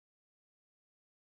biasanya setiap kali aku pulang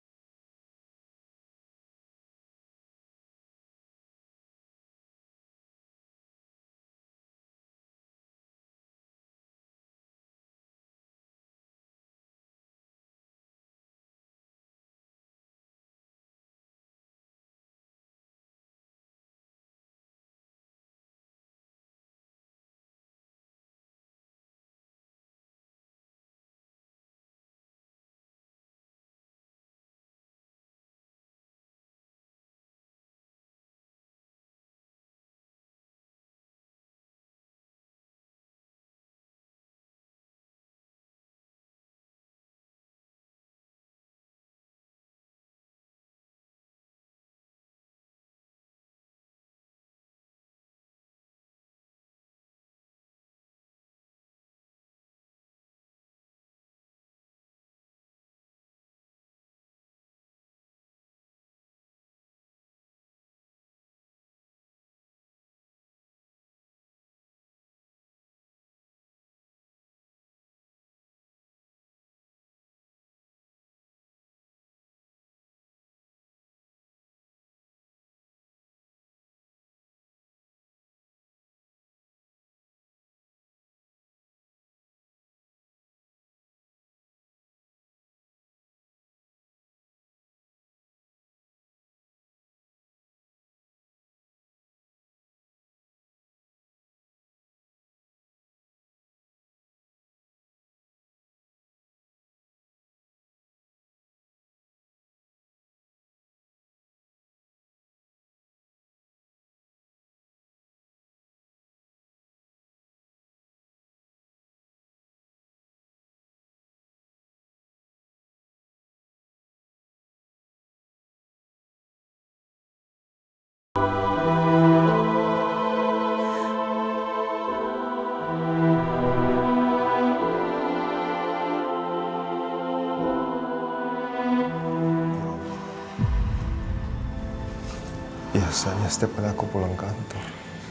kantor